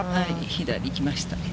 左行きました。